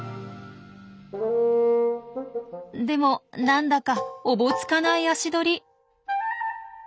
でもなんだかおぼつかない足取り。